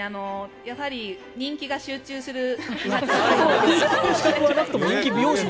やはり人気が集中する隊員が。